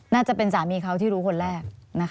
น่าจะเป็นสามีเขาที่รู้คนแรก